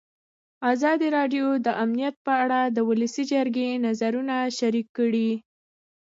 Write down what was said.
ازادي راډیو د امنیت په اړه د ولسي جرګې نظرونه شریک کړي.